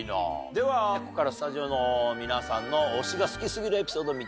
ではここからはスタジオの皆さんの推しが好き過ぎるエピソードを見ていきましょう。